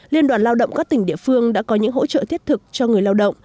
liên đoàn lao động các tỉnh địa phương đã có những hỗ trợ thiết thực cho người lao động